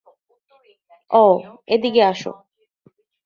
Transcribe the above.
অও, এদিকে এসো।